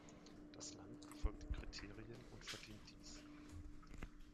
Das Land befolgt die Kriterien und verdient dies.